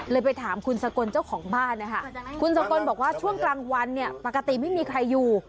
ไปถามคุณสกลเจ้าของบ้านนะคะคุณสกลบอกว่าช่วงกลางวันเนี่ยปกติไม่มีใครอยู่